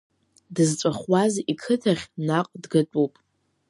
Дызҵәахуаз иқыҭахь, наҟ дгатәуп!